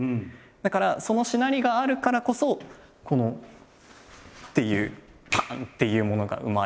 だからそのしなりがあるからこそこのっていうパン！っていうものが生まれる。